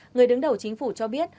người đứng đầu chính phủ cho biết